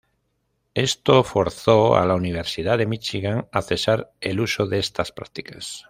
Esto forzó a la Universidad de Michigan a cesar el uso de estas prácticas.